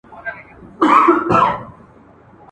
د سروګلونو غوټۍ به واسي !.